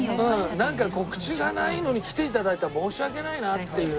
なんか告知がないのに来ていただいたら申し訳ないなっていう。